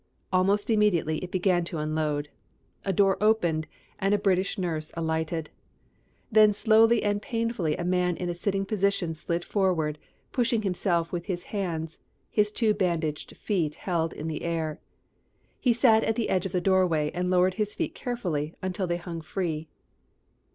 Almost immediately it began to unload. A door opened and a British nurse alighted. Then slowly and painfully a man in a sitting position slid forward, pushing himself with his hands, his two bandaged feet held in the air. He sat at the edge of the doorway and lowered his feet carefully until they hung free.